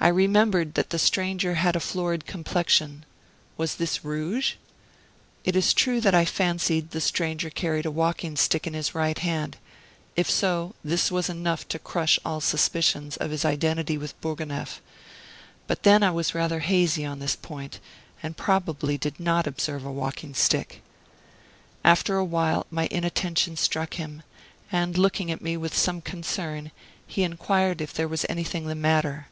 I remembered that the stranger had a florid complexion; was this rouge? It is true that I fancied the stranger carried a walking stick in his right hand; if so, this was enough to crush all suspicions of his identity with Bourgonef; but then I was rather hazy on this point, and probably did not observe a walking stick. After a while my inattention struck him, and looking at me with some concern, he inquired if there was anything the matter.